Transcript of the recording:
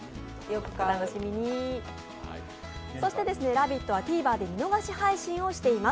「ラヴィット！」はＴＶｅｒで見逃し配信をしています。